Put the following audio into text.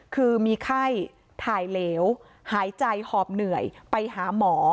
คือมีไข้ถ่ายเหลวหายใจหอบเหนื่อยไปหาหมอ